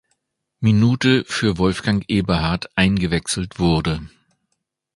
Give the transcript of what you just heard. Minute für Wolfgang Eberhard eingewechselt wurde.